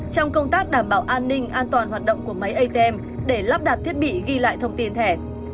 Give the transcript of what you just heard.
trong công tác đảm bảo an ninh an toàn hoạt động của máy atm để lắp đặt thiết bị ghi lại thông tin thẻ